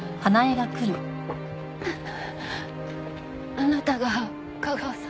あなたが架川さん？